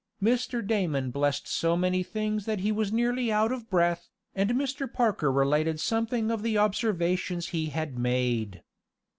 Mr. Damon blessed so many things that he was nearly out of breath, and Mr. Parker related something of the observations he had made.